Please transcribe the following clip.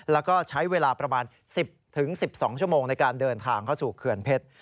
แล้วก็ใช้เวลาประมาณ๑๐๑๒ชั่วโมงในการเดินทางเข้าสู่เขื่อนเพชร